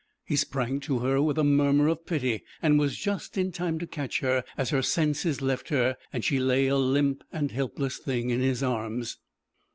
He sprang to her with a murmur of pity, and was just in time to catch her as her senses left her, and she lay a limp and helpless thing in his arms.